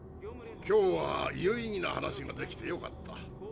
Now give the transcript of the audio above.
今日は有意義な話ができてよかった。